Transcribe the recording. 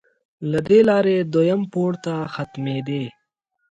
له دې لارې دویم پوړ ته ختمېدې.